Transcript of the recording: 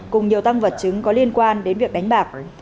cùng nhiều tăng vật chứng có liên quan đến việc đánh bạc